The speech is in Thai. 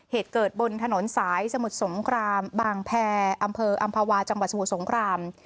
เหตุเกิดบนถนนสายสมุทรสงครามบางแพรอำเภออำภาวาจังหวัดสมุทรสงคราม